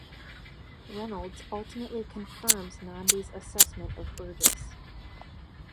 Reynolds ultimately confirms Nandi's assessment of Burgess.